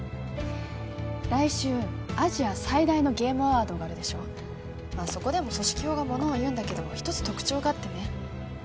来週アジア最大のゲームアワードがあるでしょまあそこでも組織票がものをいうんだけど一つ特徴があってね